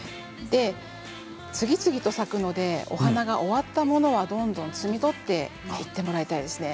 次々と咲くのでお花が終わったものはどんどん摘み取っていってもらいたいですね。